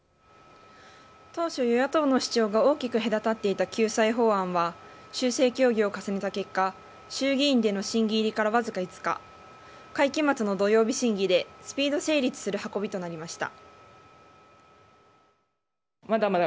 当初、与野党の主張が大きく隔たっていた救済法案は修正協議を重ねた結果衆議院での審議入りからわずか５日会期末の土曜日審議でスピード成立する運びとなりました。